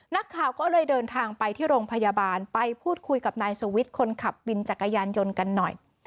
นักข่าวก็เลยเดินทางไปที่โรงพยาบาลไปพูดคุยกับนายสุวิทย์คนขับวินจักรยานยนต์กันหน่อย